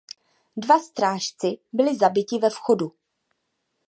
Dva strážci byli zabiti ve vchodu.